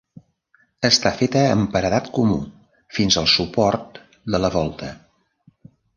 Està feta amb paredat comú fins al suport de la volta.